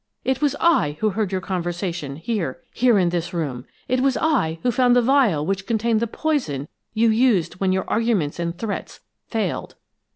It was I who heard your conversation here in this room; it was I who found the vial which contained the poison you used when your arguments and threats failed!